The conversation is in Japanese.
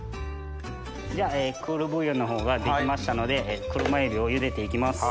じゃあクールブイヨンのほうが出来ましたので車エビを茹でて行きます。